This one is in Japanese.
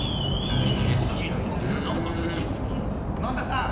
萬田さん。